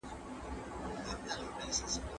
موږ باید ډېر اتڼ وړاندي کړو.